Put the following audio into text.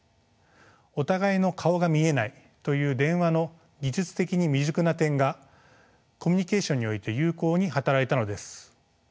お互いの顔が見えないという電話の技術的に未熟な点がコミュニケーションにおいて有効に働いたのです。